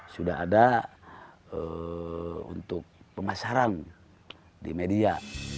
sudah ada untuk pemasaran di media